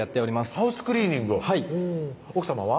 ハウスクリーニングをはい奥さまは？